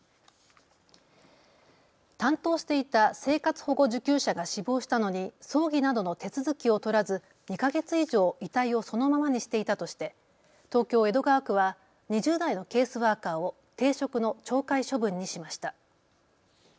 担当していた生活保護受給者が死亡したのに葬儀などの手続きを取らず２か月以上遺体をそのままにしていたとして東京江戸川区は２０代のケースワーカーを停職の懲戒処分にしました。